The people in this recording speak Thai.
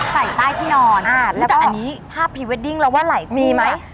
ใส่ใต้ที่นอนแล้วก็ภาพพีเวดดิ้งเราว่าไหลทุกคู่มั้ย